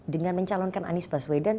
dengan mencalonkan anies baswedan